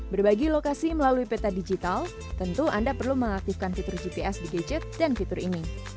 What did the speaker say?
berbagi lokasi melalui peta digital tentu anda perlu mengaktifkan fitur gps di gadget dan fitur ini